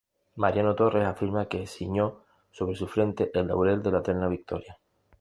Mariano Torres afirma que ciñó sobre su frente "el laurel de la eterna victoria".